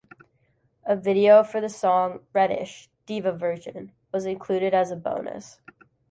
A video for the song "Reddish: Diva Version" was included as a bonus.